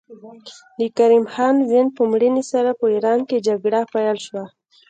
د کریم خان زند په مړینې سره په ایران کې جګړه پیل شوه.